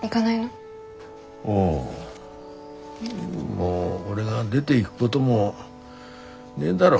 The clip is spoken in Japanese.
もう俺が出でいぐごどもねえだろ。